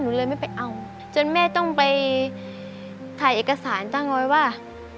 เลยไม่ไปเอาจนแม่ต้องไปถ่ายเอกสารตั้งเอาไว้ว่า